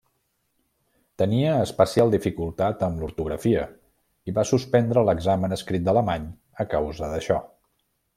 Tenia especial dificultat amb l'ortografia i va suspendre l'examen escrit d'alemany a causa d'això.